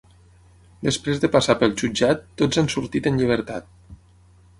Després de passar pel jutjat, tots han sortit en llibertat.